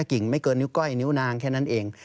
กิ่งไม่เกินนิ้วก้อยนิ้วนางแค่นั้นเอง